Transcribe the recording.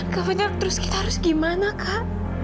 kapan ya terus kita harus gimana kak